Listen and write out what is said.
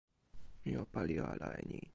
mi o pali ala e ni.